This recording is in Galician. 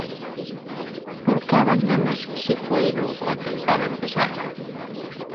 Por que abandonas Sigüeiro coa tempada empezada?